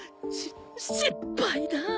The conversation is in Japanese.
し失敗だ。